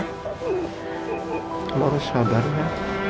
kamu harus sabar ya